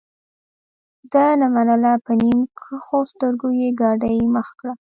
ده نه منله په نیم کښو سترګو یې ګاډۍ مخ کړه.